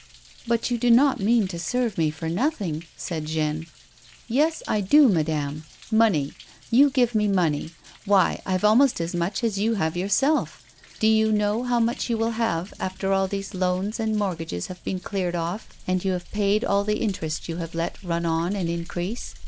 " But you do not mean to serve me for nothing ?" said Jeanne. " Yes I do, madame. Money ! You give me money ! Why I've almost as much as you have yourself. Do you know how 214 A \yOMAN'S LIFE. much you will have after all these loans and mortgages have been cleared off, and you have paid all the interest you have let run on and increase